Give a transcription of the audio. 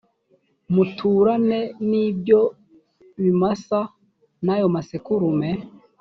muturane n’ibyo bimasa n’ayo masekurume